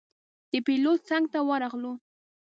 د پېلوټ څنګ ته ورغلو.